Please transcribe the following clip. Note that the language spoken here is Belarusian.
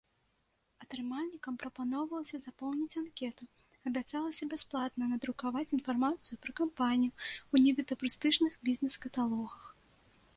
Атрымальнікам прапаноўвалася запоўніць анкету, абяцалася бясплатна надрукаваць інфармацыю пра кампанію ў нібыта прэстыжных бізнэс-каталогах.